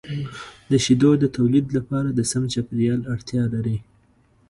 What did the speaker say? د شیدو د تولید لپاره د سم چاپیریال اړتیا لري.